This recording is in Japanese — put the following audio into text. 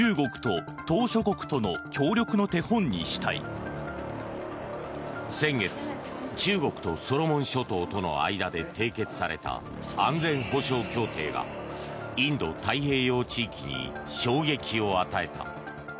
そんな中、東南アジアのある国が先月、中国とソロモン諸島との間で締結された安全保障協定がインド太平洋地域に衝撃を与えた。